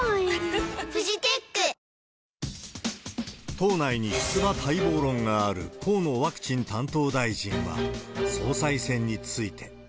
党内に出馬待望論がある河野ワクチン担当大臣は、総裁選について。